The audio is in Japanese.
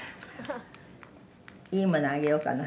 「いいものあげようかな。